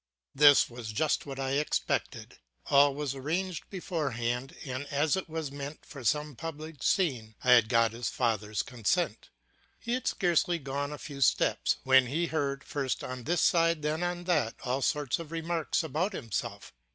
This was just what I expected. All was arranged beforehand, and as it meant some sort of public scene I had got his father's consent. He had scarcely gone a few steps, when he heard, first on this side then on that, all sorts of remarks about himself.